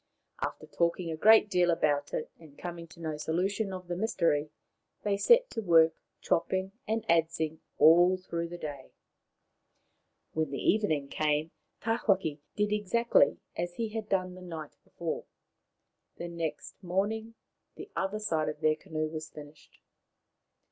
After talking a great deal about it, and coming to no solution of the mystery, they set to work, chopping and adzing all through the day. When the evening came Tawhaki did exactly as he had done the night before. The next morning the other side of their canoe was finished.